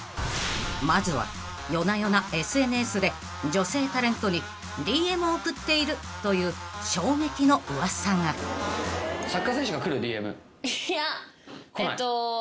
［まずは夜な夜なＳＮＳで女性タレントにＤＭを送っているという衝撃の噂が］いや。来ない？